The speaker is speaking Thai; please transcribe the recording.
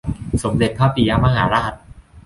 สมเด็จพระปิยมหาราช